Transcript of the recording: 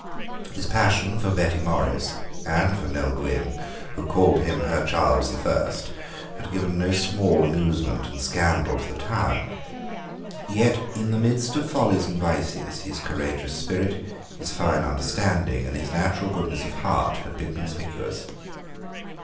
His passion for Betty Morrice, and for Nell Gwynn, who called him her Charles the First, had given no small amusement and scandal to the town. Yet, in the midst of follies and vices, his courageous spirit, his fine understanding, and his natural goodness of heart, had been conspicuous.